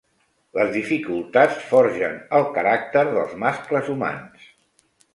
Les dificultats forgen el caràcter dels mascles humans.